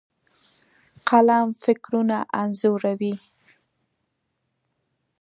قلم فکرونه انځوروي.